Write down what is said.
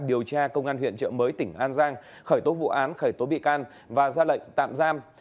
điều tra công an huyện trợ mới tỉnh an giang khởi tố vụ án khởi tố bị can và ra lệnh tạm giam